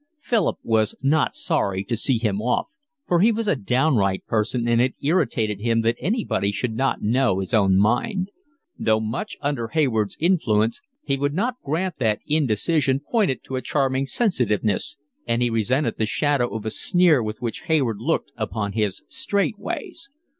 Philip was not sorry to see him off, for he was a downright person and it irritated him that anybody should not know his own mind. Though much under Hayward's influence, he would not grant that indecision pointed to a charming sensitiveness; and he resented the shadow of a sneer with which Hayward looked upon his straight ways.